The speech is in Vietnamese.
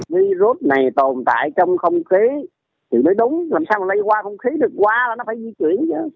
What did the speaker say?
virus này tồn tại trong không khí thì mới đúng làm sao mà lây qua không khí được qua là nó phải di chuyển chứa